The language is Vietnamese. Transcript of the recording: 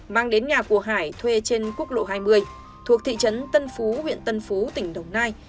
mang đến nhà của hải thuê trên quốc lộ hai mươi thuộc thị trấn tân phú huyện tân phú tỉnh đồng nai